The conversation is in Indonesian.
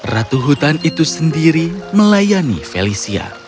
ratu hutan itu sendiri melayani felicia